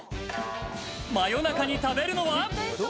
夜中に食べるのは？